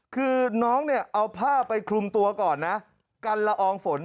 คือน้องเนี่ยเอาผ้าไปคลุมตัวก่อนนะกันละอองฝน